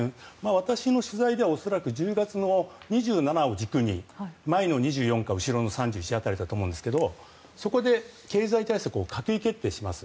私の取材では恐らく１０月の２７を軸に前の２４か後ろの３１辺りだと思いますがそこで経済対策を閣議決定します。